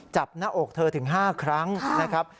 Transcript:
หน้าอกเธอถึง๕ครั้งนะครับ